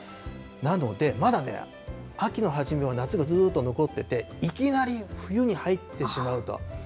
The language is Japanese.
なので、まだ秋の初めは夏がずっと残ってて、いきなり冬に入ってしまうと。